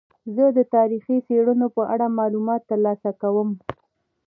زه د تاریخي څیړنو په اړه معلومات ترلاسه کوم.